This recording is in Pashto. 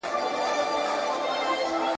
زه اجازه لرم چي ښوونځي ته ولاړ سم.